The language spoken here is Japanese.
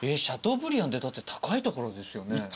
シャトーブリアンってだって高いところですよね？